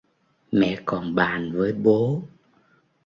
Mẹ còn bàn với bố